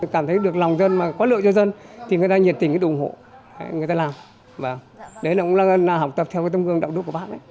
cảm thấy được lòng dân mà có lựa cho dân thì người ta nhiệt tình cái ủng hộ người ta làm đấy là học tập theo cái tâm gương đạo đức của bác đấy